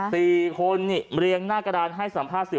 สี่คนนี่เรียงหน้ากระดานให้สัมภาษณ์สื่อ